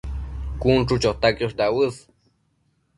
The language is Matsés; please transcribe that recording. cun chu chota quiosh dauës